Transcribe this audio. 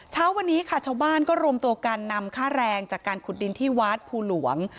เช้าวันนี้ค่ะชาวบ้านก็รวมตัวกันนำค่าแรงจากการขุดดินที่วัดภูหลวง